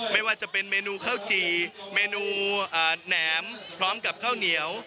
ไม่ว่าจะเป็นเมนูข้าวจี่เมนูแหนมพร้อมกับข้าวเหนียว